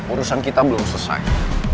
urusan kita belum selesai